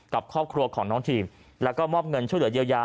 กับครอบครัวของน้องทีมแล้วก็มอบเงินช่วยเหลือเยียวยา